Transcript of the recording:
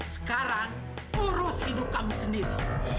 sekarang urus hidup kami sendiri